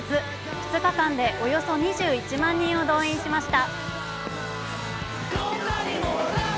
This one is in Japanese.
２日間でおよそ２１万人を動員しました。